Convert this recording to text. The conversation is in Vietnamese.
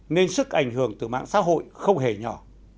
nên sức ảnh hưởng từ mạng xã hội không hề nhỏ